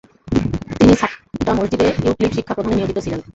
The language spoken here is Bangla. তিনি ছাট্টা মসজিদে ইউক্লিড শিক্ষা প্রদানে নিয়োজিত ছিলেন।